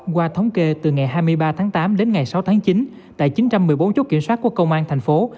qua thống kê từ ngày hai mươi ba tháng tám đến ngày sáu tháng chín tại chín trăm một mươi bốn chốt kiểm soát của công an thành phố